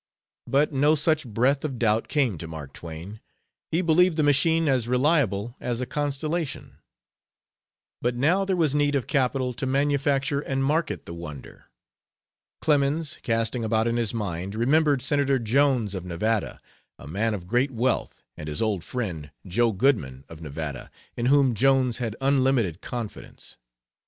But no such breath of doubt came to Mark Twain; he believed the machine as reliable as a constellation. But now there was need of capital to manufacture and market the wonder. Clemens, casting about in his mind, remembered Senator Jones, of Nevada, a man of great wealth, and his old friend, Joe Goodman, of Nevada, in whom Jones had unlimited confidence.